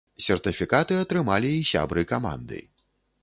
Сертыфікаты атрымалі і сябры каманды.